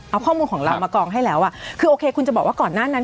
เอาข้อมูลของเรามากองให้แล้วอ่ะคือโอเคคุณจะบอกว่าก่อนหน้านั้น